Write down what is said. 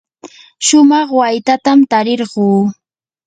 shumaq waytatam tarirquu.